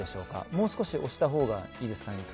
もう少し押したほうがいいですかね。